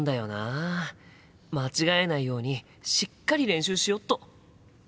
間違えないようにしっかり練習しよっと。